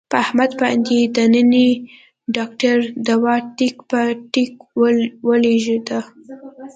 په احمد باندې د ننني ډاکټر دوا ټیک په ټیک ولږېدله.